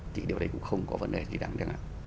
thì điều đấy cũng không có vấn đề gì đáng đáng ngạc